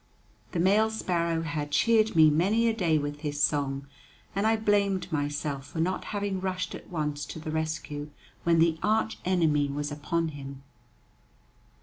The male sparrow had cheered me many a day with his song, and I blamed myself for not having rushed at once to the rescue, when the arch enemy was upon him.